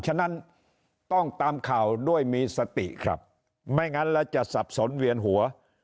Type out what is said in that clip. ฉะนั้นต้องตามข่าวด้วยมีสติครับไม่งั้นแล้วจะสับสนเวียนหัว